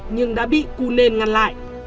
nhưng đã bị cunên ngăn lại